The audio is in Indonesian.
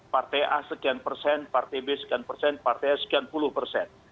partai a sekian persen partai b sekian persen partai a sekian puluh persen